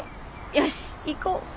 よしっ行こう。